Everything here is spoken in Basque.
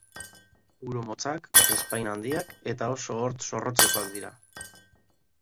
Buru-motzak, ezpain-handiak eta oso hortz zorrotzekoak dira.